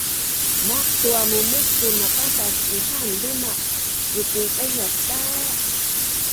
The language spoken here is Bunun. Maqtu amu muskun mapatas ihaan lumaq sukui daingaz ta